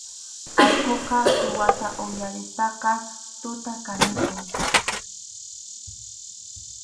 Allquqa suwata uyarispaqa tuta kanikun.